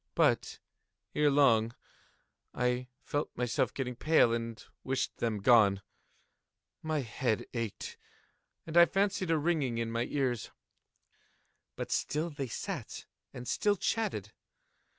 But, ere long, I felt myself getting pale and wished them gone. My head ached, and I fancied a ringing in my ears: but still they sat and still chatted.